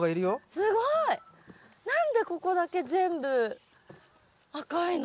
すごい！何でここだけ全部赤いの？